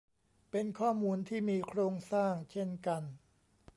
เป็นข้อมูลที่มีโครงสร้างเช่นกัน